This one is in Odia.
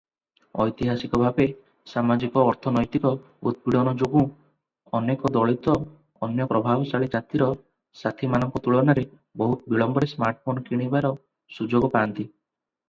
ଐତିହାସିକ ଭାବେ ସାମାଜିକ-ଅର୍ଥନୈତିକ ଉତ୍ପୀଡ଼ନ ଯୋଗୁଁ ଅନେକ ଦଳିତ ଅନ୍ୟ ପ୍ରଭାବଶାଳୀ ଜାତିର ସାଥୀମାନଙ୍କ ତୁଳନାରେ ବହୁତ ବିଳମ୍ବରେ ସ୍ମାର୍ଟଫୋନ କିଣିବା ସୁଯୋଗ ପାଆନ୍ତି ।